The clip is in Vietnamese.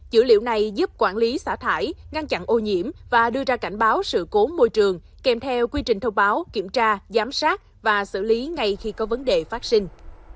dữ liệu này giúp quản lý xả thải ngăn chặn ô nhiễm và đưa ra cảnh báo sự cố môi trường kèm theo quy trình thông báo kiểm tra giám sát và xử lý ngay khi có vấn đề phát sinh